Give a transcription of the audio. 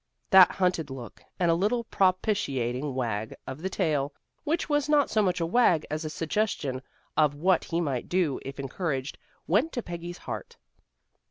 That hunted look, and a little propitiating wag of the tail, which was not so much a wag as a suggestion of what he might do if encouraged, went to Peggy's heart.